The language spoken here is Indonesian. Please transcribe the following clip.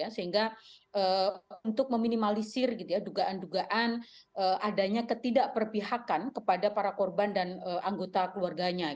sehingga untuk meminimalisir dugaan dugaan adanya ketidakperpihakan kepada para korban dan anggota keluarganya